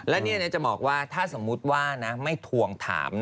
และจะบอกว่าถ้าสมมุติว่าไม่ทวงถาม